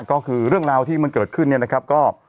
ก็คือเรื่องราวที่มันเกิดขึ้นเนี่ยนะครับก็